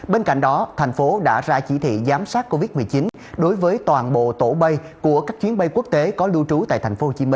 bên cạnh đó thành phố đã ra chỉ thị giám sát covid một mươi chín đối với toàn bộ tổ bay của các chuyến bay quốc tế có lưu trú tại tp hcm